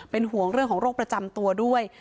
เป็นห่วงเรื่องของโรคประจำตัวด้วย